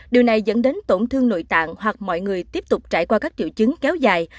điều này dẫn đến tổn thương nội tạng hoặc mọi người tiếp tục trải qua các triệu chứng kéo dài